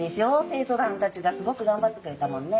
生徒さんたちがすごく頑張ってくれたもんね。